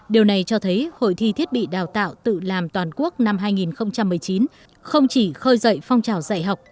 điều này cho thấy hội thi thiết bị đào tạo tự làm toàn quốc năm hai nghìn một mươi chín không chỉ khơi dậy phong trào dạy học